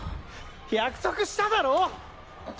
約束しただろ！！